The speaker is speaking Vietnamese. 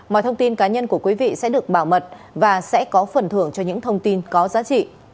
mọi thông tin cá nhân của quý vị sẽ được bảo mật và sẽ có phần thưởng cho những thông tin có giá trị